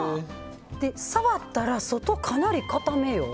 触ったら外、かなり固めよ。